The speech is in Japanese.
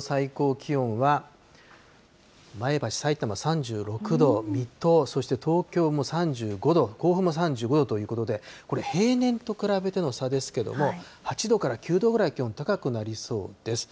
最高気温は前橋、さいたま３６度、水戸、そして東京も３５度、甲府も３５度ということで、これ、平年と比べての差ですけれども、８度から９度ぐらい気温高くなりそうです。